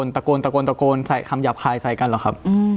ตะโกนตะโกนตะโกนใส่คำหยับใครใส่กันหรอครับ